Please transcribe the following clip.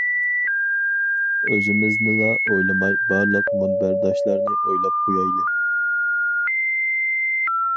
ئۆزىمىزنىلا ئويلىماي بارلىق مۇنبەرداشلارنى ئويلاپ قۇيايلى.